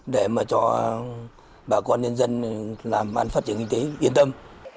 để cho bà con nhân dân làm an phát triển kinh tế yên tâm